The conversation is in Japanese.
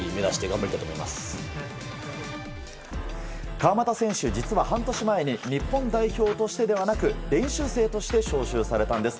川真田選手、実は半年前に日本代表としてではなく練習生として招集されたんです。